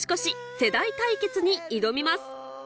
世代対決』に挑みます